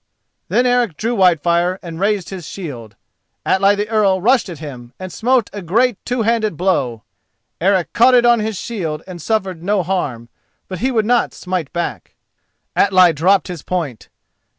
Then Eric drew Whitefire and raised his shield. Atli the Earl rushed at him and smote a great two handed blow. Eric caught it on his shield and suffered no harm; but he would not smite back. Atli dropped his point.